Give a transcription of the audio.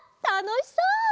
たのしそう！